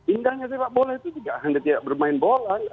indahnya sepak bola itu tidak hanya tidak bermain bola